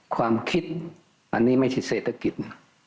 ความคิดอันนี้ไม่ใช่เศรษฐกิจ